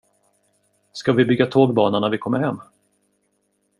Ska vi bygga tågbana när vi kommer hem?